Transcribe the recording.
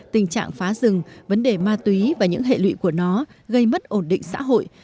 tình trạng phá rừng vấn đề ma túy và những hệ lụy của nó gây mất ổn định xã hội